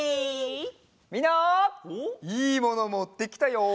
みんないいものもってきたよ！